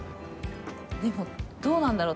でも、どうなんだろう。